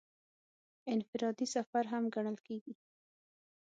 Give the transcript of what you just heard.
انفرادي سفر هم ګڼل کېږي.